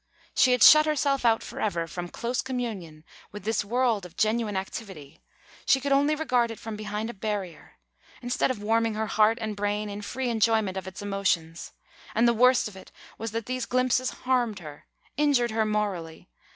She had shut herself out for ever from close communion with this world of genuine activity; she could only regard it from behind a barrier, instead of warming her heart and brain in free enjoyment of its emotions. And the worst of it was that these glimpses harmed her, injured her morally.